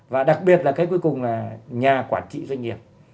và đặc biệt là cái cuối cùng là nhà quản trị doanh nghiệp